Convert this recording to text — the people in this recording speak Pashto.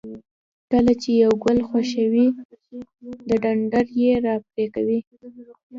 کله چې یو ګل خوښوئ د ډنډره یې را پرې کوئ.